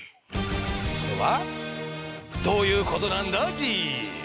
それはどういうことなんだＧ？